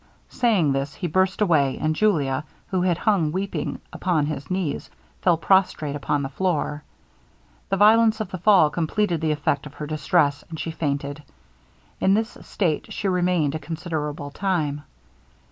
Saying this, he burst away, and Julia, who had hung weeping upon his knees, fell prostrate upon the floor. The violence of the fall completed the effect of her distress, and she fainted. In this state she remained a considerable time.